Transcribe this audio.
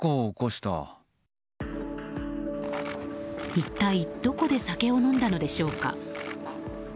一体どこで酒を飲んだのでしょうか。